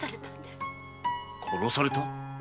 殺された？